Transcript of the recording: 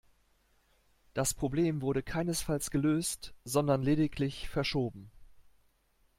Das Problem wurde keinesfalls gelöst, sondern lediglich verschoben.